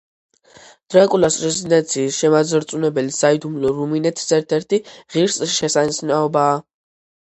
დრაკულას რეზიდენციის შემაძრწუნებელი საიდუმლო რუმინეთის ერთ-ერთი ღირსშესანიშნაობაა.